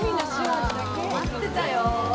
待ってたよ。